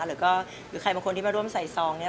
หรือใครเป็นคนที่มาร่วมใส่ซองเนี่ย